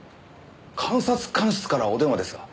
監察官室からお電話ですが。